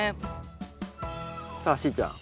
さあしーちゃん